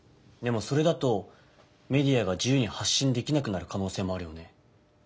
でもそれだとメディアが自由に発信できなくなるかのうせいもあるよね。